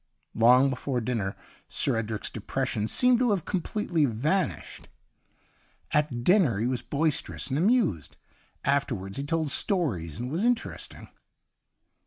Long before dinner. Sir Edric's depression seemed to have com pletely vanished. At dinner he was boisterous and amused. Afterwards he told stories and was interesting